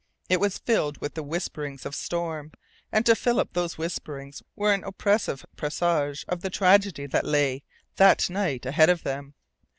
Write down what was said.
It was filled with the whisperings of storm, and to Philip those whisperings were an oppressive presage of the tragedy that lay that night ahead of them.